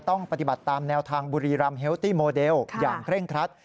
ต้องปฏิบัติตามแนวทางบุรีรำเฮลตี้โมเดลอย่างเคร่งครัด